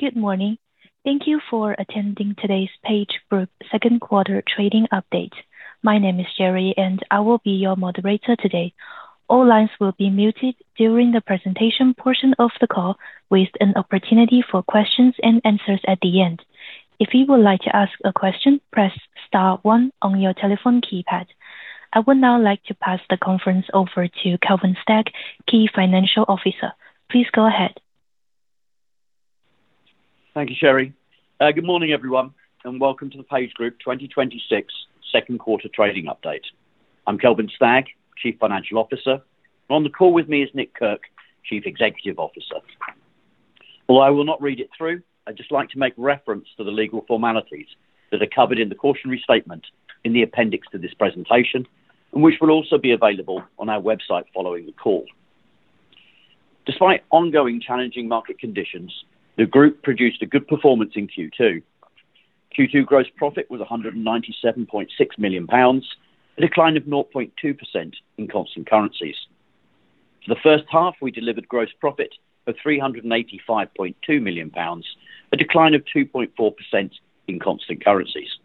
Good morning. Thank you for attending today's PageGroup Second Quarter Trading Update. My name is Sherry, and I will be your moderator today. All lines will be muted during the presentation portion of the call, with an opportunity for questions and answers at the end. If you would like to ask a question, press star one on your telephone keypad. I would now like to pass the conference over to Kelvin Stagg, Chief Financial Officer. Please go ahead. Thank you, Sherry. Good morning, everyone, and welcome to the PageGroup 2026 second quarter trading update. I'm Kelvin Stagg, Chief Financial Officer, and on the call with me is Nick Kirk, Chief Executive Officer. Although I will not read it through, I'd just like to make reference to the legal formalities that are covered in the cautionary statement in the appendix to this presentation, and which will also be available on our website following the call. Despite ongoing challenging market conditions, the group produced a good performance in Q2. Q2 gross profit was 197.6 million pounds, a decline of 0.2% in constant currencies. For the first half, we delivered gross profit of 385.2 million pounds, a decline of 2.4% in constant currencies.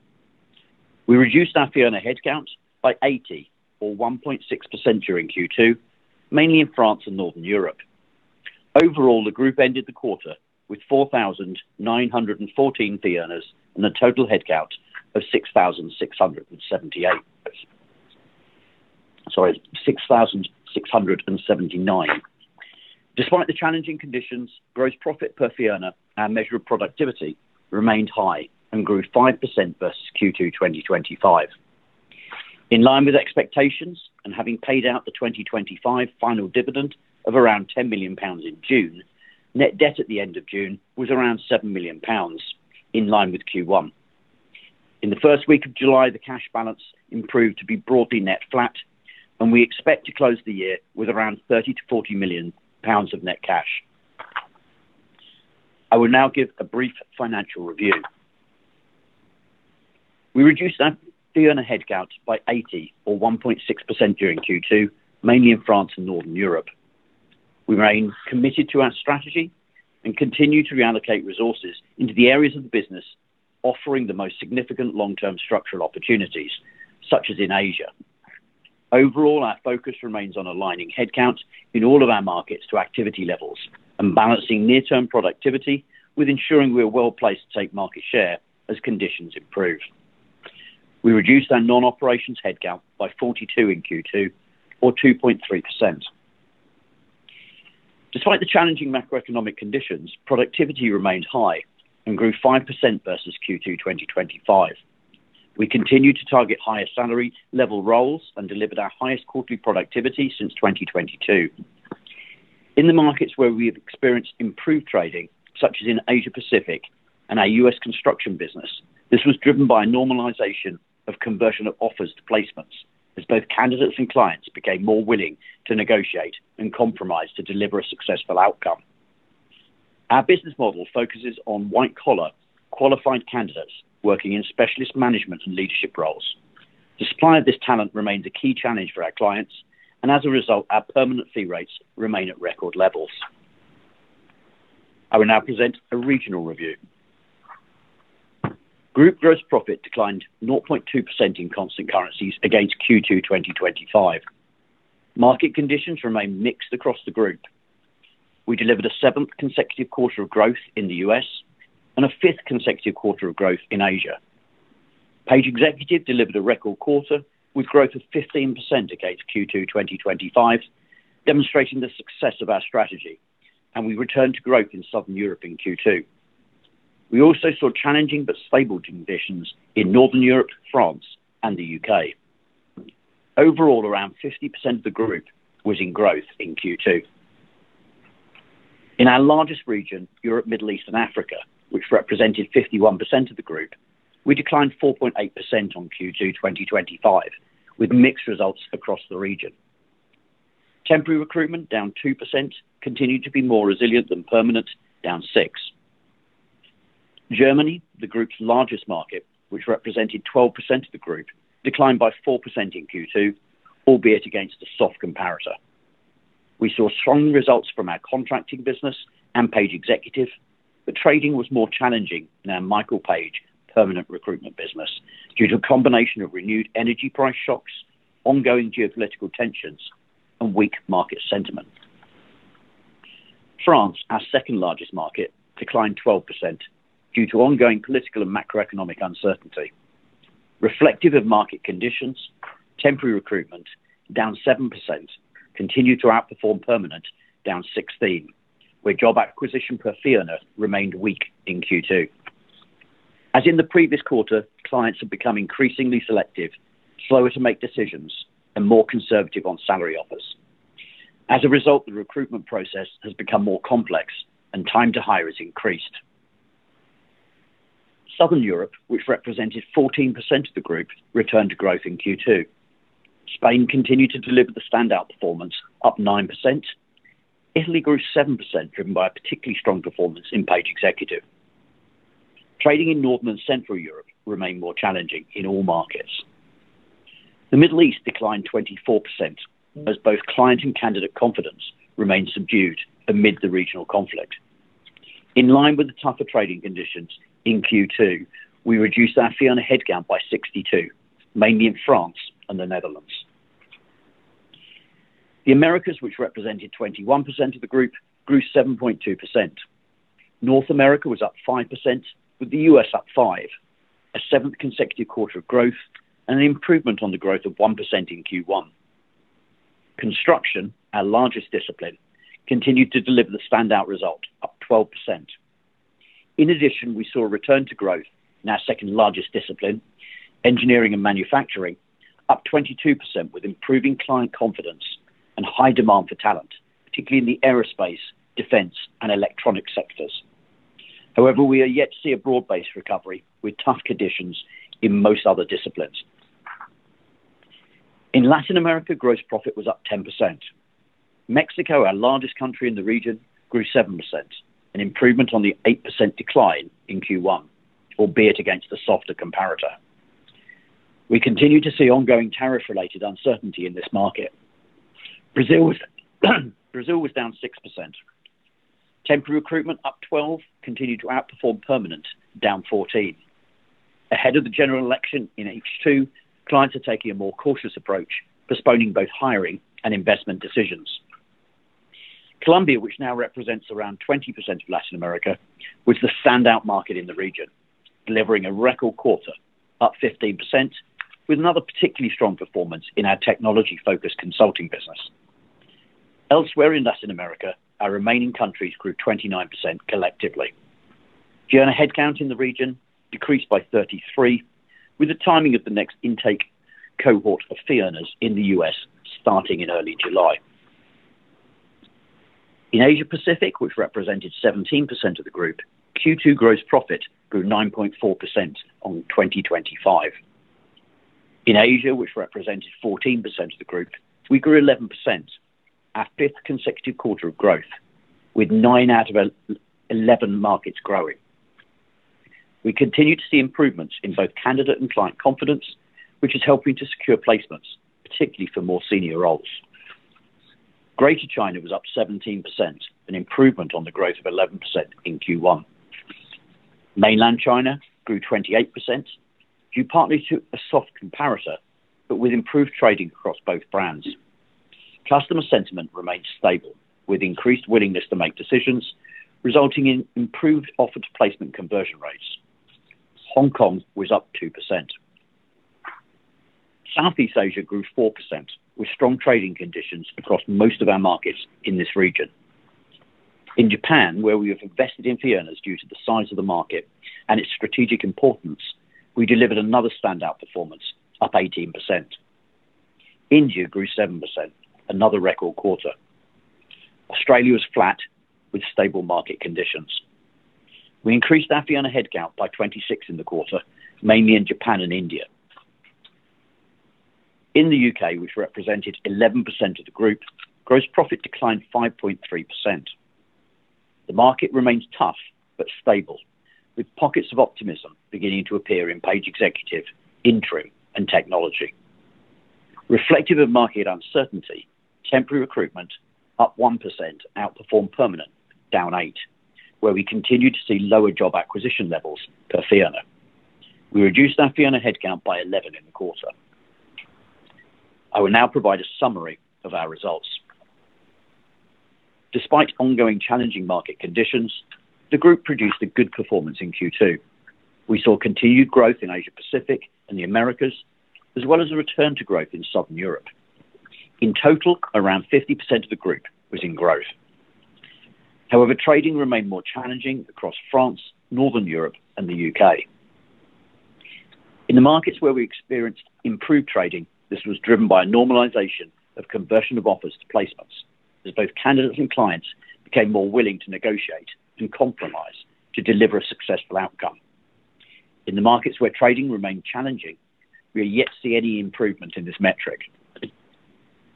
We reduced our fee earner headcount by 80 or 1.6% during Q2, mainly in France and Northern Europe. Overall, the group ended the quarter with 4,914 fee earners and a total headcount of 6,678. Sorry, 6,679. Despite the challenging conditions, gross profit per fee earner, our measure of productivity, remained high and grew 5% versus Q2 2025. In line with expectations and having paid out the 2025 final dividend of around 10 million pounds in June, net debt at the end of June was around 7 million pounds, in line with Q1. In the first week of July, the cash balance improved to be broadly net flat, and we expect to close the year with around 30 million-40 million pounds of net cash. I will now give a brief financial review. We reduced our fee earner headcount by 80 or 1.6% during Q2, mainly in France and Northern Europe. We remain committed to our strategy and continue to reallocate resources into the areas of the business offering the most significant long-term structural opportunities, such as in Asia. Overall, our focus remains on aligning headcounts in all of our markets to activity levels and balancing near-term productivity with ensuring we are well-placed to take market share as conditions improve. We reduced our non-operations headcount by 42 in Q2 or 2.3%. Despite the challenging macroeconomic conditions, productivity remained high and grew 5% versus Q2 2025. We continued to target higher salary level roles and delivered our highest quarterly productivity since 2022. In the markets where we have experienced improved trading, such as in Asia-Pacific and our U.S. construction business, this was driven by a normalization of conversion of offers to placements, as both candidates and clients became more willing to negotiate and compromise to deliver a successful outcome. Our business model focuses on white-collar qualified candidates working in specialist management and leadership roles. Supply of this talent remains a key challenge for our clients, and as a result, our permanent fee rates remain at record levels. I will now present a regional review. Group gross profit declined 0.2% in constant currencies against Q2 2025. Market conditions remain mixed across the group. We delivered a seventh consecutive quarter of growth in the U.S. and a fifth consecutive quarter of growth in Asia. Page Executive delivered a record quarter with growth of 15% against Q2 2025, demonstrating the success of our strategy, and we returned to growth in Southern Europe in Q2. We also saw challenging but stable conditions in Northern Europe, France, and the U.K. Overall, around 50% of the group was in growth in Q2. In our largest region, Europe, Middle East, and Africa, which represented 51% of the group, we declined 4.8% on Q2 2025, with mixed results across the region. Temporary recruitment, down 2%, continued to be more resilient than permanent, down 6%. Germany, the group's largest market, which represented 12% of the group, declined by 4% in Q2, albeit against a soft comparator. We saw strong results from our contracting business and Page Executive, but trading was more challenging in our Michael Page permanent recruitment business due to a combination of renewed energy price shocks, ongoing geopolitical tensions, and weak market sentiment. France, our second largest market, declined 12% due to ongoing political and macroeconomic uncertainty. Reflective of market conditions, temporary recruitment, down 7%, continued to outperform permanent, down 16%, where job acquisition per fee earner remained weak in Q2. As in the previous quarter, clients have become increasingly selective, slower to make decisions, and more conservative on salary offers. As a result, the recruitment process has become more complex and time to hire has increased. Southern Europe, which represented 14% of the group, returned to growth in Q2. Spain continued to deliver the standout performance, up 9%. Italy grew 7%, driven by a particularly strong performance in Page Executive. Trading in Northern and Central Europe remained more challenging in all markets. The Middle East declined 24% as both client and candidate confidence remained subdued amid the regional conflict. In line with the tougher trading conditions in Q2, we reduced our fee earner headcount by 62, mainly in France and the Netherlands. The Americas, which represented 21% of the group, grew 7.2%. North America was up 5%, with the U.S. up 5%, a seventh consecutive quarter of growth, and an improvement on the growth of 1% in Q1. Construction, our largest discipline, continued to deliver the standout result, up 12%. In addition, we saw a return to growth in our second-largest discipline, engineering and manufacturing, up 22% with improving client confidence and high demand for talent, particularly in the aerospace, defense, and electronic sectors. We are yet to see a broad-based recovery with tough conditions in most other disciplines. In Latin America, gross profit was up 10%. Mexico, our largest country in the region, grew 7%, an improvement on the 8% decline in Q1, albeit against the softer comparator. We continue to see ongoing tariff-related uncertainty in this market. Brazil was down 6%. Temporary recruitment, up 12%, continued to outperform permanent, down 14%. Ahead of the general election in H2, clients are taking a more cautious approach, postponing both hiring and investment decisions. Colombia, which now represents around 20% of Latin America, was the standout market in the region, delivering a record quarter, up 15%, with another particularly strong performance in our technology-focused consulting business. Elsewhere in Latin America, our remaining countries grew 29% collectively. Fee earner headcount in the region decreased by 33, with the timing of the next intake cohort of fee earners in the U.S. starting in early July. In Asia Pacific, which represented 17% of the group, Q2 gross profit grew 9.4% on 2025. In Asia, which represented 14% of the group, we grew 11%, our fifth consecutive quarter of growth, with nine out of 11 markets growing. We continue to see improvements in both candidate and client confidence, which is helping to secure placements, particularly for more senior roles. Greater China was up 17%, an improvement on the growth of 11% in Q1. Mainland China grew 28%, due partly to a soft comparator, but with improved trading across both brands. Customer sentiment remained stable, with increased willingness to make decisions, resulting in improved offer-to-placement conversion rates. Hong Kong was up 2%. Southeast Asia grew 4%, with strong trading conditions across most of our markets in this region. In Japan, where we have invested in fee earners due to the size of the market and its strategic importance, we delivered another standout performance, up 18%. India grew 7%, another record quarter. Australia was flat with stable market conditions. We increased our fee earner headcount by 26 in the quarter, mainly in Japan and India. In the U.K., which represented 11% of the group, gross profit declined 5.3%. The market remains tough but stable, with pockets of optimism beginning to appear in Page Executive, interim, and technology. Reflective of market uncertainty, temporary recruitment, up 1%, outperformed permanent, down eight, where we continued to see lower job acquisition levels per fee earner. We reduced our fee earner headcount by 11 in the quarter. I will now provide a summary of our results. Despite ongoing challenging market conditions, the group produced a good performance in Q2. We saw continued growth in Asia Pacific and the Americas, as well as a return to growth in Southern Europe. In total, around 50% of the group was in growth. However, trading remained more challenging across France, Northern Europe, and the U.K. In the markets where we experienced improved trading, this was driven by a normalization of conversion of offers to placements as both candidates and clients became more willing to negotiate and compromise to deliver a successful outcome. In the markets where trading remained challenging, we are yet to see any improvement in this metric.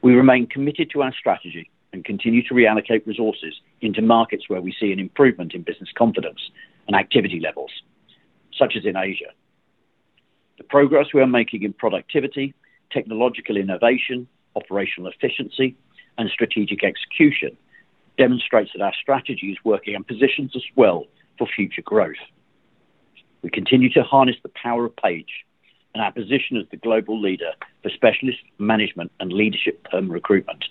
We remain committed to our strategy and continue to reallocate resources into markets where we see an improvement in business confidence and activity levels, such as in Asia. The progress we are making in productivity, technological innovation, operational efficiency, and strategic execution demonstrates that our strategy is working and positions us well for future growth. We continue to harness the power of Page and our position as the global leader for specialist management and leadership perm recruitment,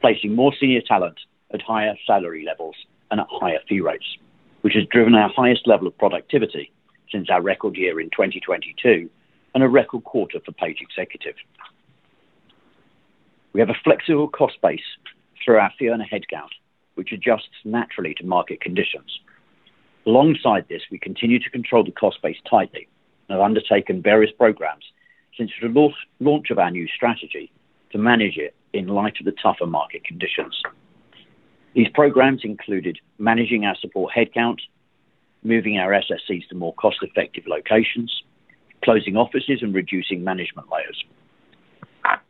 placing more senior talent at higher salary levels and at higher fee rates, which has driven our highest level of productivity since our record year in 2022 and a record quarter for Page Executive. We have a flexible cost base through our fee earner headcount, which adjusts naturally to market conditions. Alongside this, we continue to control the cost base tightly and have undertaken various programs since the launch of our new strategy to manage it in light of the tougher market conditions. These programs included managing our support headcount, moving our SSCs to more cost-effective locations, closing offices, and reducing management layers.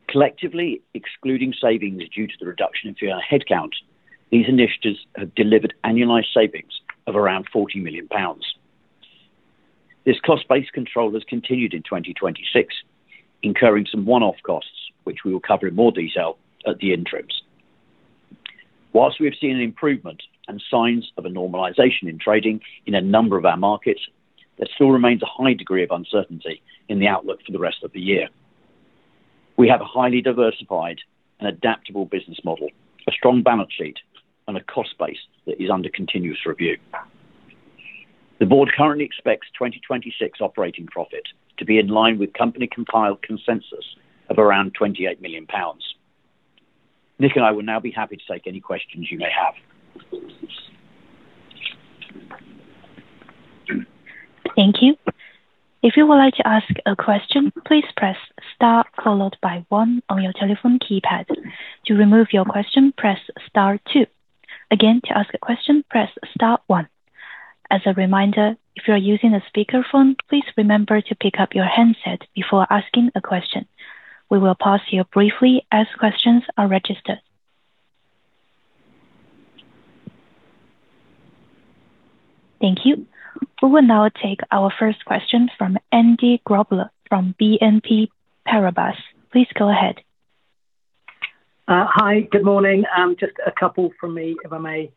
Collectively excluding savings due to the reduction in fee earner headcount, these initiatives have delivered annualized savings of around 40 million pounds. This cost base control has continued in 2026, incurring some one-off costs, which we will cover in more detail at the interims. Whilst we have seen an improvement and signs of a normalization in trading in a number of our markets, there still remains a high degree of uncertainty in the outlook for the rest of the year. We have a highly diversified and adaptable business model, a strong balance sheet, and a cost base that is under continuous review. The board currently expects 2026 operating profit to be in line with company compiled consensus of around 28 million pounds. Nick and I will now be happy to take any questions you may have. Thank you. If you would like to ask a question, please press star followed by one on your telephone keypad. To remove your question, press star two. Again, to ask a question, press star one. As a reminder, if you're using a speakerphone, please remember to pick up your handset before asking a question. We will pause here briefly as questions are registered. Thank you. We will now take our first question from Andy Grobler from BNP Paribas. Please go ahead. Hi. Good morning. Just a couple from me, if I may.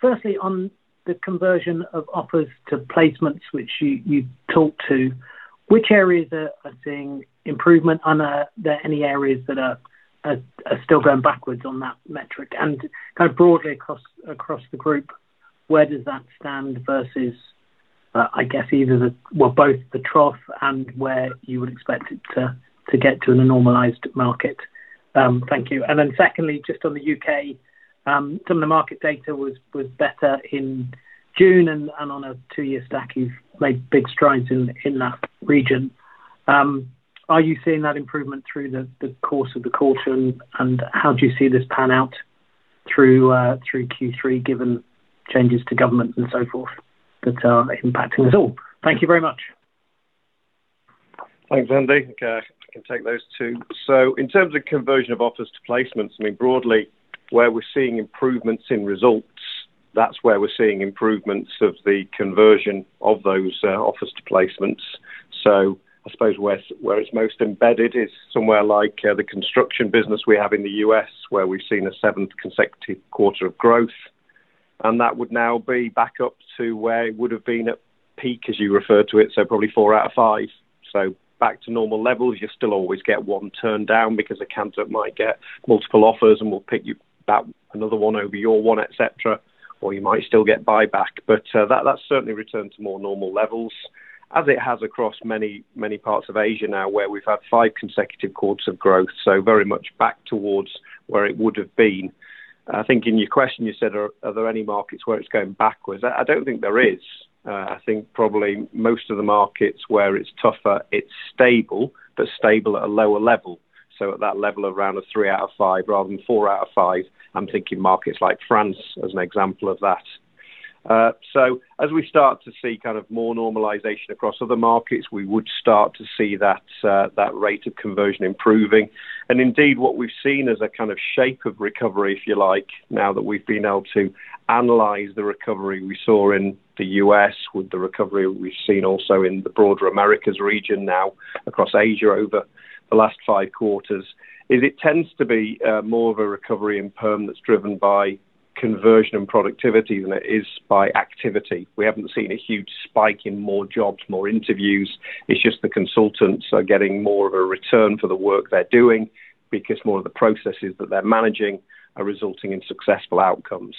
Firstly, on the conversion of offers to placements, which you talked to, which areas are seeing improvement? Are there any areas that are still going backwards on that metric? And broadly across the group, where does that stand versus, either the, well, both the trough and where you would expect it to get to in a normalized market? Thank you. Secondly, just on the U.K., some of the market data was better in June and on a two-year stack, you've made big strides in that region. Are you seeing that improvement through the course of the quarter, and how do you see this pan out through Q3 given changes to government and so forth that are impacting us all? Thank you very much. Thanks, Andy. I think I can take those two. In terms of conversion of offers to placements, broadly where we're seeing improvements in results, that's where we're seeing improvements of the conversion of those offers to placements. I suppose where it's most embedded is somewhere like the construction business we have in the U.S., where we've seen a seventh consecutive quarter of growth, and that would now be back up to where it would've been at peak, as you refer to it, probably four out of five. Back to normal levels. You still always get one turned down because account might get multiple offers and will pick another one over your one, et cetera, or you might still get buyback. That's certainly returned to more normal levels as it has across many parts of Asia now, where we've had five consecutive quarters of growth, very much back towards where it would've been. I think in your question you said, are there any markets where it's going backwards? I don't think there is. I think probably most of the markets where it's tougher, it's stable, but stable at a lower level. At that level around a three out of five rather than four out of five. I'm thinking markets like France as an example of that. As we start to see more normalization across other markets, we would start to see that rate of conversion improving. Indeed, what we've seen as a kind of shape of recovery, if you like, now that we've been able to analyze the recovery we saw in the U.S. with the recovery we've seen also in the broader Americas region now across Asia over the last five quarters, is it tends to be more of a recovery in perm that's driven by conversion and productivity than it is by activity. We haven't seen a huge spike in more jobs, more interviews. It's just the consultants are getting more of a return for the work they're doing because more of the processes that they're managing are resulting in successful outcomes.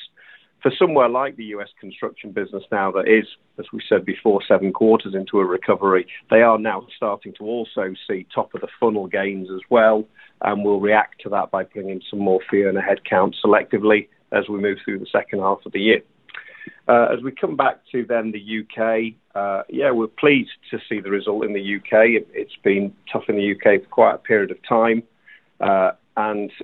For somewhere like the U.S. construction business now that is, as we said before, seven quarters into a recovery, they are now starting to also see top of the funnel gains as well, and we'll react to that by pulling in some more fee and a headcount selectively as we move through the second half of the year. We come back to then the U.K., yeah, we're pleased to see the result in the U.K. It's been tough in the U.K. for quite a period of time.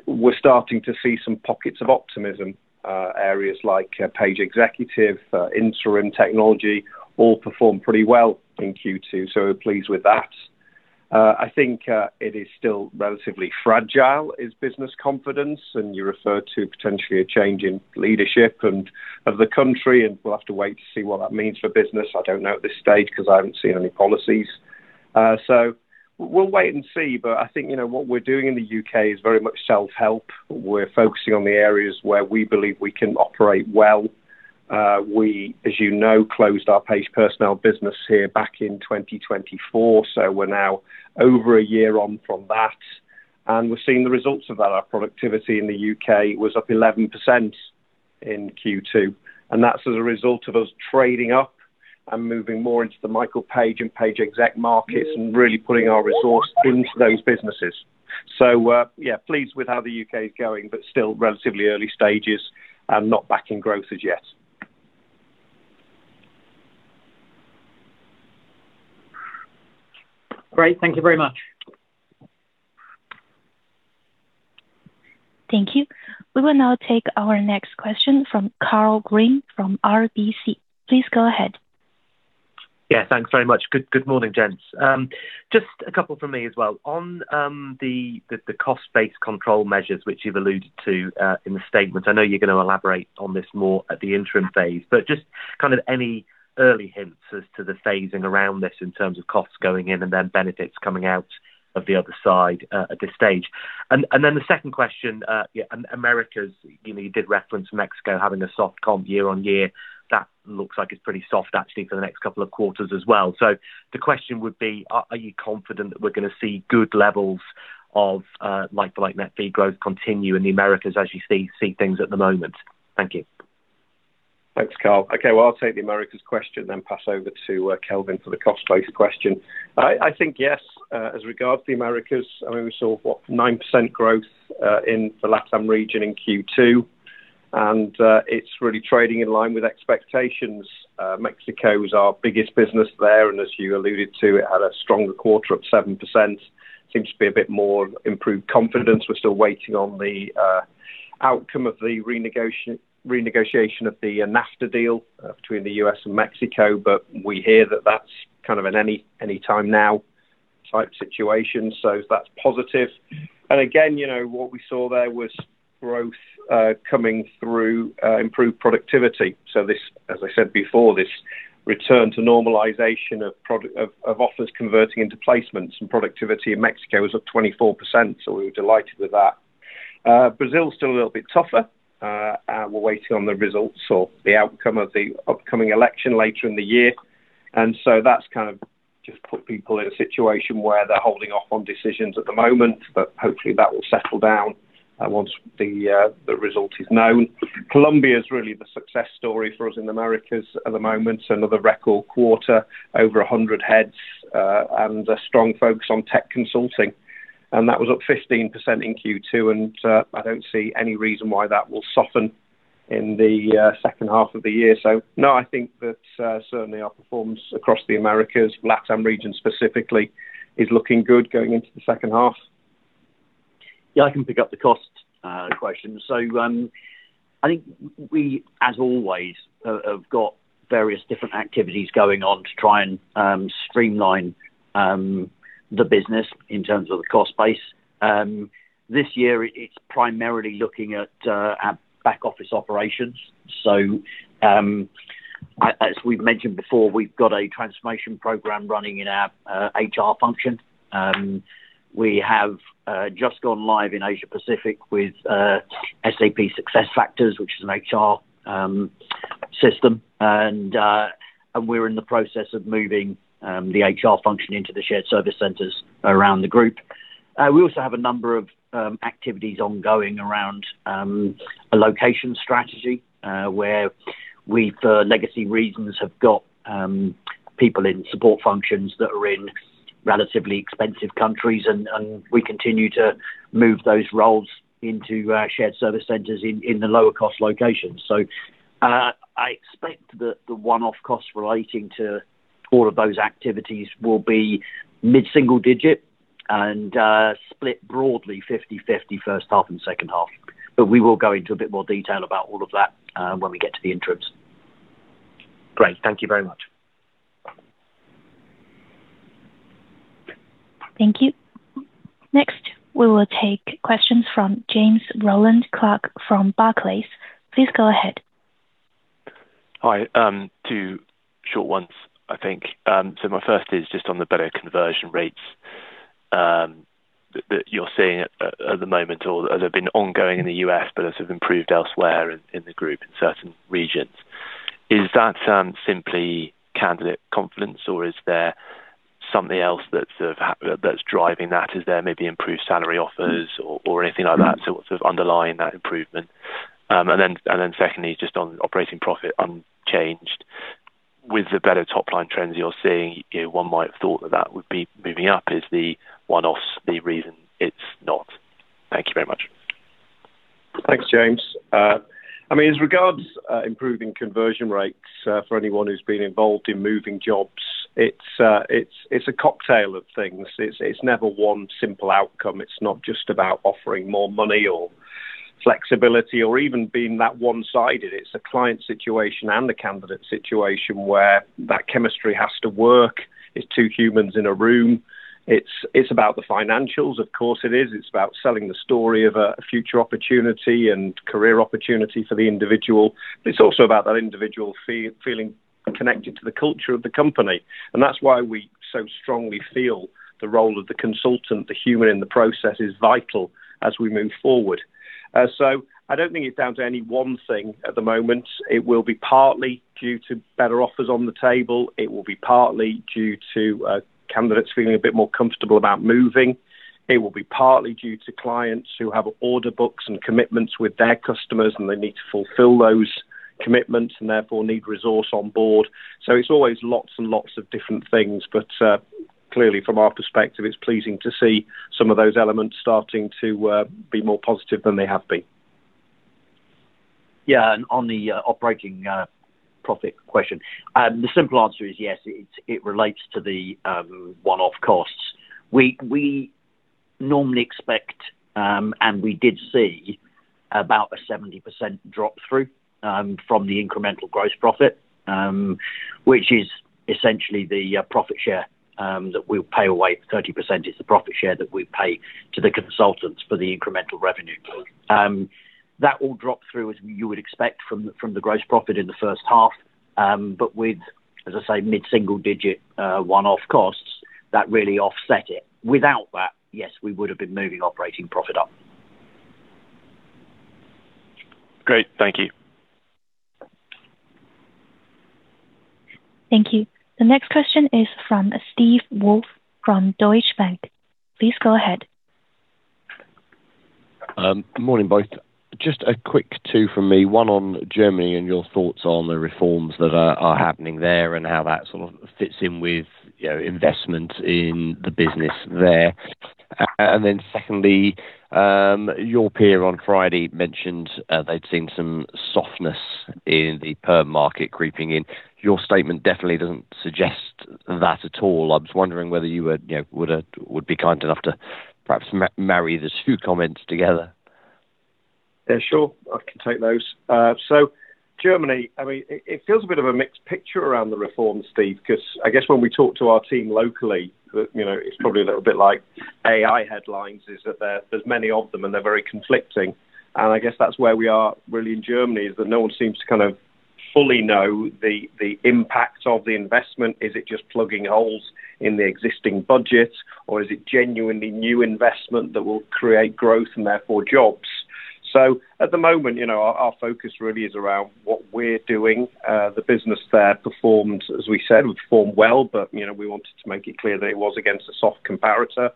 We're starting to see some pockets of optimism. Areas like Page Executive, interim technology, all performed pretty well in Q2, we're pleased with that. I think it is still relatively fragile is business confidence, and you refer to potentially a change in leadership of the country, and we'll have to wait to see what that means for business. I don't know at this stage because I haven't seen any policies. We'll wait and see, but I think what we're doing in the U.K. is very much self-help. We're focusing on the areas where we believe we can operate well. We, as you know, closed our Page Personnel business here back in 2024, so we're now over a year on from that, and we're seeing the results of that. Our productivity in the U.K. was up 11% in Q2, and that's as a result of us trading up and moving more into the Michael Page and Page Exec markets and really putting our resource into those businesses. Yeah, pleased with how the U.K. is going, but still relatively early stages and not back in growth as yet. Great. Thank you very much. Thank you. We will now take our next question from Karl Green from RBC. Please go ahead. Yeah, thanks very much. Good morning, gents. Just a couple from me as well. On the cost-based control measures which you've alluded to in the statement, I know you're going to elaborate on this more at the interim phase, but just kind of any early hints as to the phasing around this in terms of costs going in and then benefits coming out of the other side at this stage. Then the second question, Americas, you did reference Mexico having a soft comp year-on-year. That looks like it's pretty soft actually for the next couple of quarters as well. The question would be, are you confident that we're going to see good levels of like-for-like net fee growth continue in the Americas as you see things at the moment? Thank you. Thanks, Karl. I will take the Americas question then pass over to Kelvin for the cost-based question. I think yes, as regards the Americas, we saw 9% growth in the LATAM region in Q2. It is really trading in line with expectations. Mexico is our biggest business there, and as you alluded to, it had a stronger quarter of 7%. Seems to be a bit more improved confidence. We are still waiting on the outcome of the renegotiation of the NAFTA deal between the U.S. and Mexico. But we hear that that is kind of an any time now type situation, so that is positive. Again, what we saw there was growth coming through improved productivity. This, as I said before, this return to normalization of offers converting into placements and productivity in Mexico is up 24%. We were delighted with that. Brazil is still a little bit tougher. We are waiting on the results or the outcome of the upcoming election later in the year. That is kind of just put people in a situation where they are holding off on decisions at the moment, but hopefully that will settle down, once the result is known. Colombia is really the success story for us in the Americas at the moment. Another record quarter, over 100 heads, and a strong focus on tech consulting. That was up 15% in Q2, and I do not see any reason why that will soften in the second half of the year. No, I think that certainly our performance across the Americas, LATAM region specifically, is looking good going into the second half. I can pick up the cost question. I think we, as always, have got various different activities going on to try and streamline the business in terms of the cost base. This year it is primarily looking at back-office operations. As we have mentioned before, we have got a transformation program running in our HR function. We have just gone live in Asia-Pacific with SAP SuccessFactors, which is an HR system. We are in the process of moving the HR function into the Shared Services Centers around the group. We also have a number of activities ongoing around a location strategy, where we, for legacy reasons, have got people in support functions that are in relatively expensive countries, and we continue to move those roles into our Shared Services Centers in the lower cost locations. I expect that the one-off costs relating to all of those activities will be mid-single digit and split broadly 50-50 first half and second half. But we will go into a bit more detail about all of that when we get to the interims. Great. Thank you very much. Thank you. Next, we will take questions from James Rowland Clark from Barclays. Please go ahead. Hi. Two short ones, I think. My first is just on the better conversion rates that you're seeing at the moment or that have been ongoing in the U.S. but have improved elsewhere in the group in certain regions. Is that simply candidate confidence or is there something else that's driving that? Is there maybe improved salary offers or anything like that to sort of underline that improvement? Then secondly, just on operating profit unchanged. With the better top-line trends you're seeing, one might have thought that that would be moving up. Is the one-offs the reason it's not? Thank you very much. Thanks, James. As regards improving conversion rates for anyone who's been involved in moving jobs, it's a cocktail of things. It's never one simple outcome. It's not just about offering more money or flexibility or even being that one-sided. It's a client situation and a candidate situation where that chemistry has to work. It's two humans in a room. It's about the financials, of course it is. It's about selling the story of a future opportunity and career opportunity for the individual. It's also about that individual feeling connected to the culture of the company. That's why we so strongly feel the role of the consultant, the human in the process, is vital as we move forward. I don't think it's down to any one thing at the moment. It will be partly due to better offers on the table. It will be partly due to candidates feeling a bit more comfortable about moving. It will be partly due to clients who have order books and commitments with their customers, and they need to fulfill those commitments and therefore need resource on board. It's always lots and lots of different things. Clearly from our perspective, it's pleasing to see some of those elements starting to be more positive than they have been. Yeah. On the operating profit question, the simple answer is yes, it relates to the one-off costs. We normally expect, and we did see about a 70% drop-through from the incremental gross profit, which is essentially the profit share that we'll pay away. 30% is the profit share that we pay to the consultants for the incremental revenue. That will drop through, as you would expect from the gross profit in the first half. With, as I say, mid-single digit one-off costs, that really offset it. Without that, yes, we would have been moving operating profit up. Great. Thank you. Thank you. The next question is from Steve Wolf from Deutsche Bank. Please go ahead. Good morning, both. Just a quick two from me, one on Germany and your thoughts on the reforms that are happening there and how that sort of fits in with investment in the business there. Secondly, your peer on Friday mentioned they had seen some softness in the perm market creeping in. Your statement definitely doesn't suggest that at all. I was wondering whether you would be kind enough to perhaps marry the two comments together. Yeah, sure. I can take those. Germany, it feels a bit of a mixed picture around the reforms, Steve, because I guess when we talk to our team locally, it's probably a little bit like AI headlines, is that there's many of them, and they're very conflicting. I guess that's where we are really in Germany, is that no one seems to kind of fully know the impact of the investment. Is it just plugging holes in the existing budget, or is it genuinely new investment that will create growth and therefore jobs? At the moment, our focus really is around what we're doing. The business there performed, as we said, performed well, but we wanted to make it clear that it was against a soft comparator.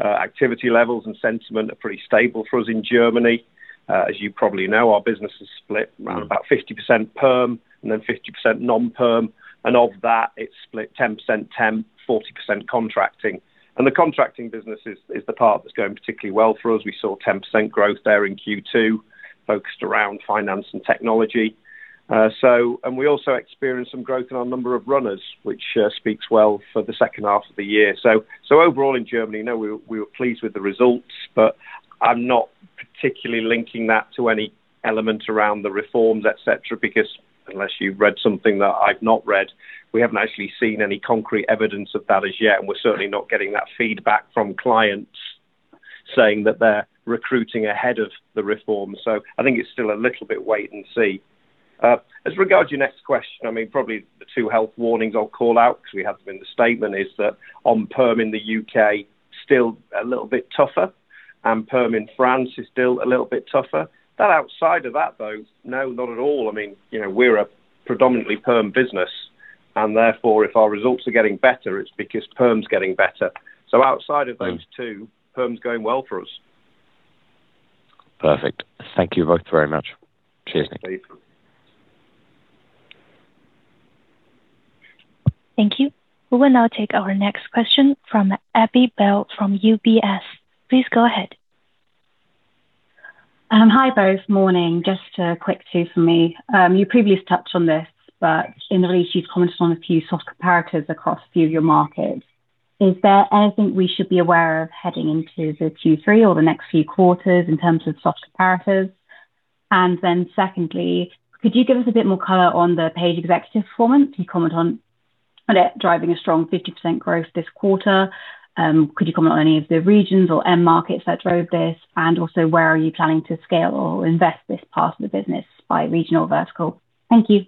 Activity levels and sentiment are pretty stable for us in Germany. As you probably know, our business is split around about 50% perm and then 50% non-perm, and of that, it's split 10% temp, 40% contracting. The contracting business is the part that's going particularly well for us. We saw 10% growth there in Q2 focused around finance and technology. We also experienced some growth in our number of runners, which speaks well for the second half of the year. Overall in Germany, we were pleased with the results, but I'm not particularly linking that to any element around the reforms, et cetera. Because unless you've read something that I've not read, we haven't actually seen any concrete evidence of that as yet, and we're certainly not getting that feedback from clients saying that they're recruiting ahead of the reforms. I think it's still a little bit wait and see. As regard to your next question, probably the two health warnings I'll call out, because we have them in the statement, is that on perm in the U.K., still a little bit tougher, and perm in France is still a little bit tougher. Outside of that, though, no, not at all. We're a predominantly perm business, and therefore, if our results are getting better, it's because perm's getting better. Outside of those two, perm's going well for us. Perfect. Thank you both very much. Cheers. Cheers. Thank you. We will now take our next question from Abi Bell from UBS. Please go ahead. Hi, both. Morning. Just a quick two from me. In the release, you've commented on a few soft comparatives across a few of your markets. Is there anything we should be aware of heading into the Q3 or the next few quarters in terms of soft comparatives? Secondly, could you give us a bit more color on the Page Executive performance? You comment on it driving a strong 15% growth this quarter. Could you comment on any of the regions or end markets that drove this? Also, where are you planning to scale or invest this part of the business by regional vertical? Thank you.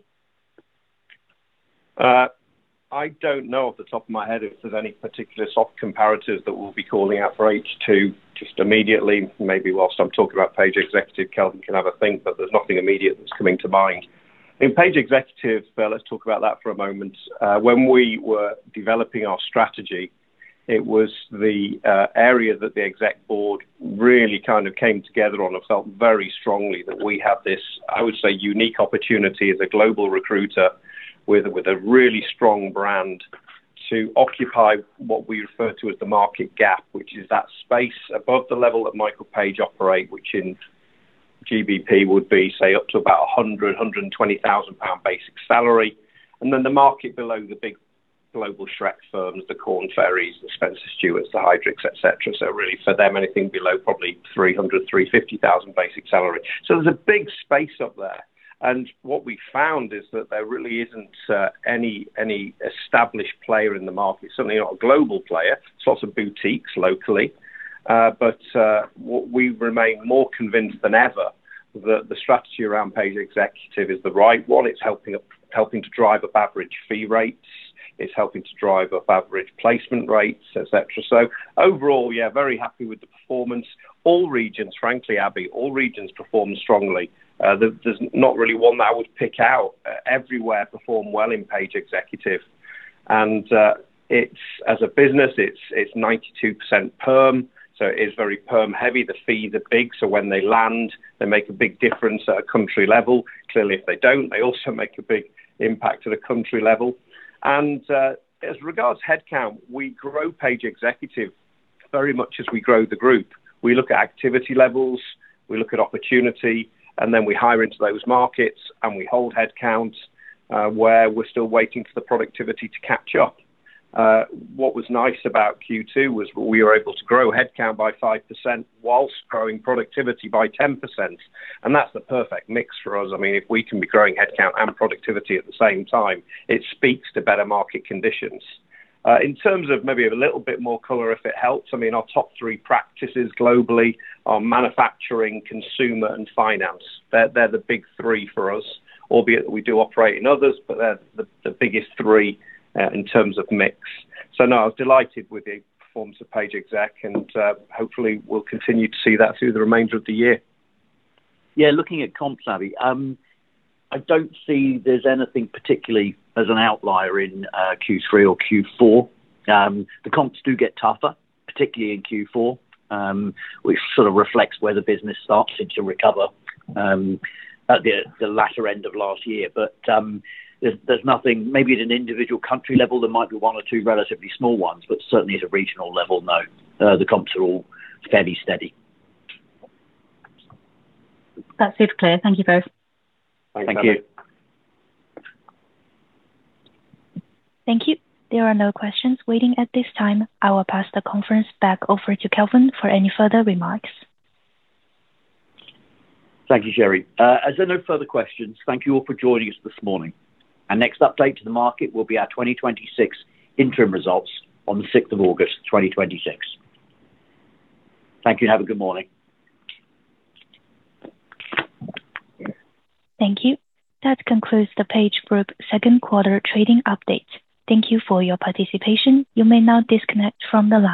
I don't know off the top of my head if there's any particular soft comparatives that we'll be calling out for H2 just immediately. Maybe whilst I'm talking about Page Executive, Kelvin can have a think, there's nothing immediate that's coming to mind. In Page Executive, let's talk about that for a moment. When we were developing our strategy, it was the area that the exec board really kind of came together on and felt very strongly that we have this, I would say, unique opportunity as a global recruiter with a really strong brand to occupy what we refer to as the market gap, which is that space above the level that Michael Page operate, which in GBP would be, say, up to about 100,000-120,000 pound basic salary. The market below the big global SHREK firms, the Korn Ferry, the Spencer Stuart, the Heidrick, et cetera. Really for them, anything below probably 300,000-350,000 basic salary. There's a big space up there, and what we found is that there really isn't any established player in the market, certainly not a global player. There's lots of boutiques locally. We remain more convinced than ever that the strategy around Page Executive is the right one. It's helping to drive up average fee rates. It's helping to drive up average placement rates, et cetera. Overall, yeah, very happy with the performance. All regions, frankly, Abi, all regions performed strongly. There's not really one that I would pick out. Everywhere performed well in Page Executive. As a business, it's 92% perm, so it is very perm heavy. The fee, the big, when they land, they make a big difference at a country level. Clearly, if they don't, they also make a big impact at a country level. As regards headcount, we grow Page Executive very much as we grow the group, we look at activity levels, we look at opportunity, we hire into those markets, we hold headcounts where we're still waiting for the productivity to catch up. What was nice about Q2 was we were able to grow headcount by 5% whilst growing productivity by 10%, and that's the perfect mix for us. If we can be growing headcount and productivity at the same time, it speaks to better market conditions. In terms of maybe a little bit more color if it helps, our top three practices globally are manufacturing, consumer, and finance. They're the big three for us, albeit we do operate in others, they're the biggest three in terms of mix. No, I was delighted with the performance of Page Executive, hopefully we'll continue to see that through the remainder of the year. Yeah, looking at comps, Abi, I don't see there's anything particularly as an outlier in Q3 or Q4. The comps do get tougher, particularly in Q4, which sort of reflects where the business started to recover at the latter end of last year. Maybe at an individual country level, there might be one or two relatively small ones, certainly at a regional level, no. The comps are all fairly steady. That's it clear. Thank you both. Thank you. Thank you. Thank you. There are no questions waiting at this time. I will pass the conference back over to Kelvin for any further remarks. Thank you, Sherry. As there are no further questions, thank you all for joining us this morning. Our next update to the market will be our 2026 interim results on the 6th of August, 2026. Thank you, and have a good morning. Thank you. That concludes the PageGroup second quarter trading update. Thank you for your participation. You may now disconnect from the line.